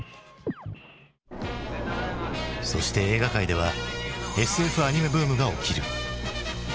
そして映画界ではＳＦアニメブームが起きる。